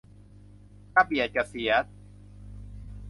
กระเบียดกระเสียร